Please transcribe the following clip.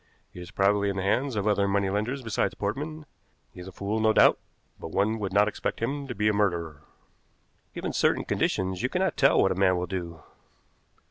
He is probably in the hands of other money lenders besides Portman; he is a fool no doubt, but one would not expect him to be a murderer." "Given certain conditions, you cannot tell what a man will do."